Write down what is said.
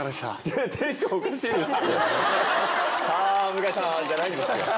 「向井さん」じゃないんですよ。